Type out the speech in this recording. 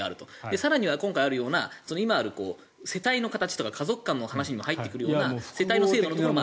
更には今回あるような今ある世帯の形とか家族観の話にも入ってくるような世帯の問題。